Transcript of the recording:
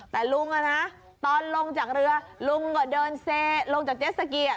แต่ลุงอะนะตอนลงจากเรือลุงก็เดินเซลุงจากเจ็ดสกีอ่ะ